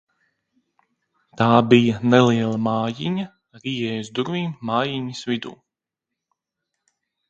Tā bija neliela mājiņa, ar ieejas durvīm mājiņas vidū.